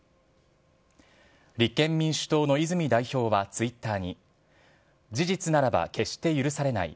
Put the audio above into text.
立憲民主党の泉代表はツイッターに、事実ならば決して許されない。